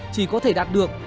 chỉ có thể đạt được